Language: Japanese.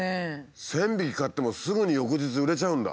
１，０００匹買ってもすぐに翌日売れちゃうんだ。